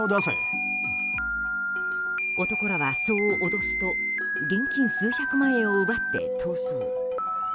男らは、そう脅すと現金数百万円を奪って逃走。